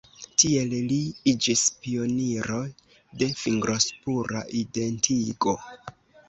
Tiel li iĝis pioniro de fingrospura identigo.